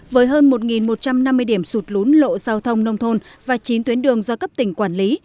với hơn một một trăm năm mươi điểm sụt lún lộ giao thông nông thôn và chín tuyến đường do cấp tỉnh quản lý